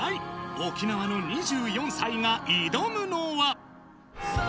沖縄の２４歳が挑むのは。